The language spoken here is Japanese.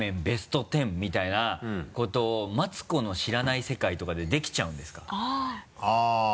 ベスト１０みたいなことを「マツコの知らない世界」とかでできちゃうんですか？